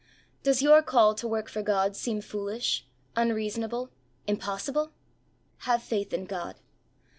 Does your call to work for God seem foolish, unreasonable, impossible ?" Have faith in God."